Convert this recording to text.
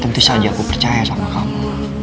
tentu saja aku percaya sama kamu